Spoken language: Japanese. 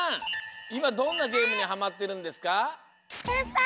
いまどんなゲームにハマってるんですか？